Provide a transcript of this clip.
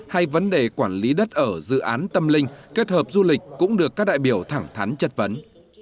hay vấn đề quản lý đất ở dự án tâm linh kết hợp du lịch cũng được các đại biểu thẳng thắn chất vấn